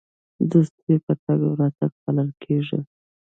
دوستي په تګ او راتګ پالل کیږي.